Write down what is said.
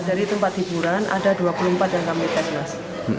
dari tempat hiburan ada dua puluh empat yang kami tes mas